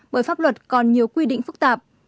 bởi pháp luật còn nhiều quy định phức tạp